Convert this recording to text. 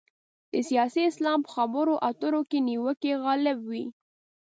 د سیاسي اسلام په خبرو اترو کې نیوکې غالب وي.